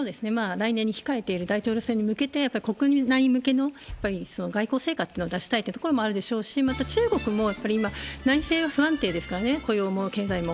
来年に控えている大統領選に向けて、やっぱり国内向けの外交成果というのを出したいところもあるでしょうし、また中国もやっぱり今、内政が不安定ですからね、雇用も経済も。